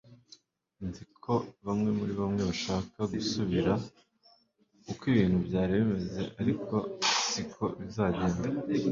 Nzi ko bamwe muri mwe bashaka gusubira uko ibintu byari bimeze ariko siko bizagenda